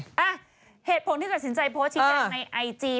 อ่ะเหตุผลที่ตัดสินใจโพสต์ชี้แจงในไอจี